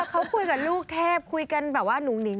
เขาคุยกับลูกเทพคุยกันแบบว่าหนุ่งหนิง